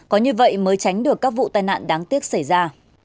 có như vậy mới tránh được các vụ tai nạn đáng tiếc xảy ra